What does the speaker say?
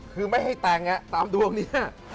คือไม่ให้แต่งตามดวงนี้